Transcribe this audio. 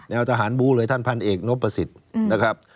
แนวทหารบู้เลยท่านพันเอกนกประสิทธินะครับ